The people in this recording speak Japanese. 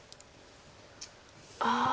ああ。